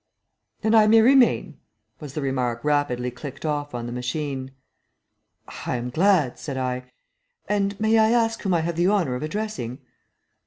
"Then I may remain," was the remark rapidly clicked off on the machine. "I am glad," said I. "And may I ask whom I have the honor of addressing?"